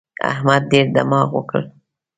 احمد ډېر دماغ وکړ.